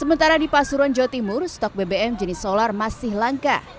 sementara di pasuruan jawa timur stok bbm jenis solar masih langka